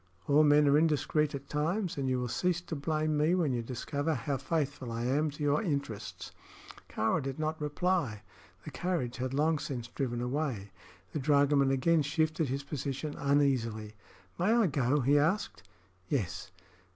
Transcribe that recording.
All men are indiscreet at times, and you will cease to blame me when you discover how faithful I am to your interests." Kāra did not reply. The carriage had long since driven away. The dragoman again shifted his position uneasily. "May I go?" he asked. "Yes."